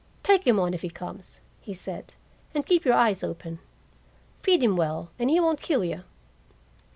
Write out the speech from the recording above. "Take him on if he comes," he said. "And keep your eyes open. Feed him well, and he won't kill you!"